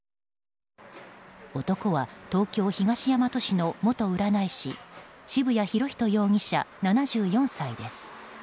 男は、東京・東大和市の元占い師・渋谷博仁容疑者７４歳です。